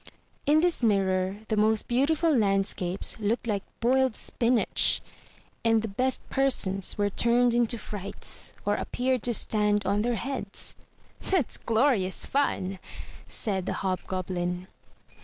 In this mirror the most beautiful landscapes looked like boiled spinach, and the best persons were turned into frights, or appeared to stand on their heads. "That's glorious fun!" said the Hobgoblin.